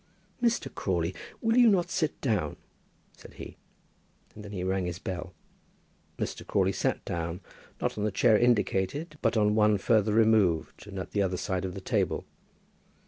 "Mr. Crawley, will you not sit down?" said he, and then he rang his bell. Mr. Crawley sat down, not on the chair indicated, but on one further removed and at the other side of the table.